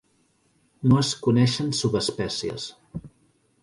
No es coneixen subespècies.